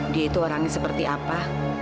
dia itu orangnya seperti apa